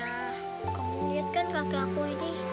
kamu lihat kan kakek aku ini